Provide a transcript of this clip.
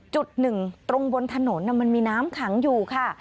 จุดหนึ่งตรงบนถนนมันมีน้ำขังอยู่ค่ะ